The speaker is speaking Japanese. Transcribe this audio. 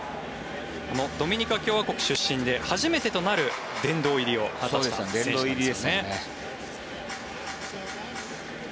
ドミニカ共和国出身で初めてとなる殿堂入りを果たした選手ですね。